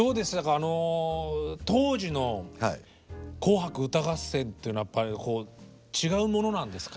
あの当時の「紅白歌合戦」っていうのはやっぱり違うものなんですか？